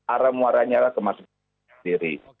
ara muaranya ke mas ganjar itu sendiri